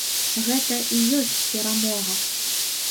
Гэта і ёсць перамога.